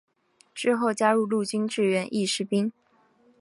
之后加入陆军志愿役士兵。